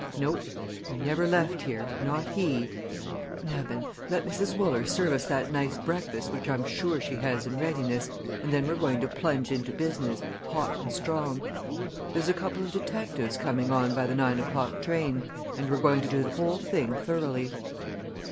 No he never left here, not he! Now then, let Mrs. Wooler serve us that nice breakfast which I'm sure she has in readiness, and then we're going to plunge into business, hot and strong. There's a couple of detectives coming on by the nine o'clock train, and we're going to do the whole thing thoroughly."